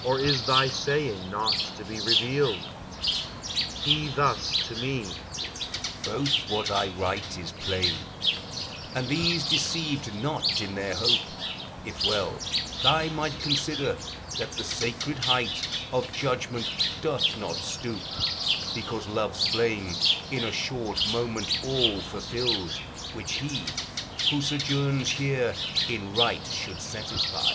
Or is thy saying not to be revealed?" He thus to me: "Both what I write is plain, And these deceived not in their hope; if well Thy mind consider, that the sacred height Of judgment doth not stoop, because love's flame In a short moment all fulfils, which he, Who sojourns here, in right should satisfy.